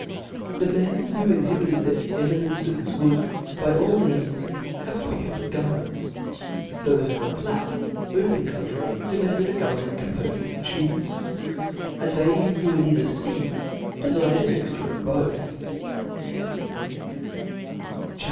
The men who inhabited the eminences, would by all l!heans have a popular government ; thofe of the flat open country, demanded a government com pofed of the chiefs; and they who were near the fea, dedred a mixture of both; CHAP.